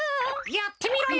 やってみろよ！